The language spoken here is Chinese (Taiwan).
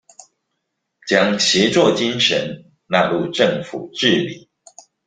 將協作精神納入政府治理